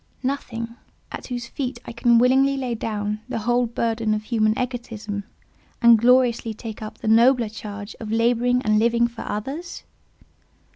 Nothing, at whose feet I can willingly lay down the whole burden of human egotism, and gloriously take up the nobler charge of labouring and living for others?